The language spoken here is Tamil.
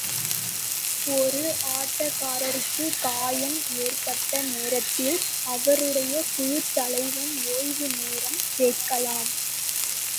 ஒரு ஆட்டக்காரருக்குக் காயம் ஏற்பட்ட நேரத்தில், அவருடையக் குழுத்தலைவன் ஓய்வு நேரம் கேட்கலாம்.